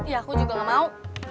ya aku juga gak mau